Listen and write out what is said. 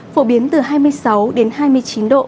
phổ biến từ hai mươi sáu đến hai mươi chín độ